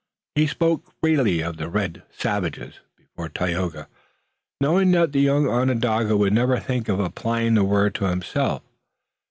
He spoke freely of red "savages" before Tayoga, knowing that the young Onondaga would never think of applying the word to himself.